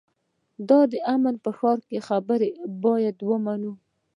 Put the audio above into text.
د امن په ښار کې خبره باید ومنې.